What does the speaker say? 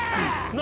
何？